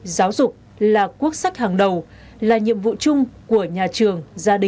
giáo dục là quốc sách hàng đầu là nhiệm vụ chung của nhà trường gia đình và xã hội